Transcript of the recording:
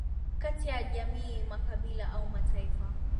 kati ya jamii makabila au mataifa